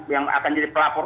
yang akan jadi pelapor